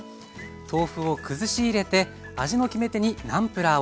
豆腐をくずし入れて味の決め手にナンプラーを。